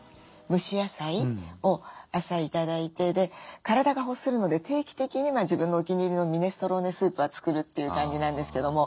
蒸し野菜を朝頂いてで体が欲するので定期的に自分のお気に入りのミネストローネスープは作るという感じなんですけども。